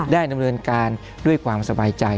ดำเนินการด้วยความสบายใจ